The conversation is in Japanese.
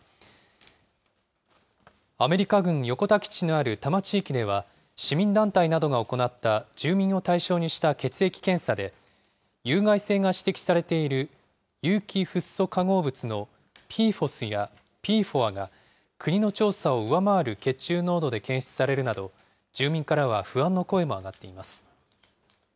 アメリカ軍横田基地のある多摩地域では、市民団体などが行った住民を対象にした血液検査で、有害性が指摘されている有機フッ素化合物のＰＦＯＳやＰＦＯＡが国の調査を上回る血中濃度で検出されるなど、住民からは不安の声も上がっています。